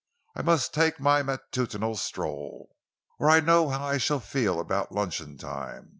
I must take my matutinal stroll, or I know how I shall feel about luncheon time.